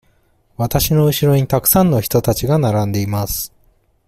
わたしのうしろにたくさんの人たちが並んでいます。